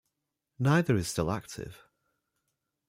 Neither is still active.